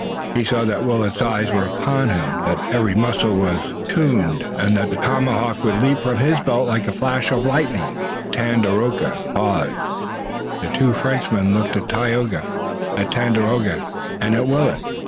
He saw that Willet's eyes were upon him, that every muscle was attuned and that the tomahawk would leap from his belt like a flash of lightning, and seeing, Tandakora paused. The two Frenchmen looked at Tayoga, at Tandakora and at Willet.